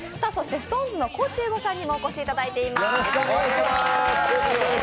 ＳｉｘＴＯＮＥＳの高地優吾さんにもお越しいただいてます。